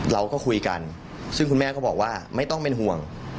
เราก็คุยกันซึ่งคุณแม่ก็บอกว่าไม่ต้องเป็นห่วง